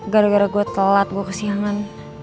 gara gara gua telat gua kesiangan